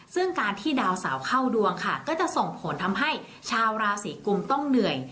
ซึ่งการที่ดาวเสาเข้าดวงค่ะก็จะส่งผลทำให้ชาวราศีกุมต้องเหนื่อย